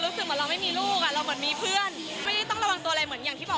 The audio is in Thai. โดยเจ้าตัวมองว่าลูกสาวเนี่ยเป็นเหมือนบัตตี้ที่คุยกันอย่างรู้ใจส่วนแววในวงการบันเทิงนะฮะ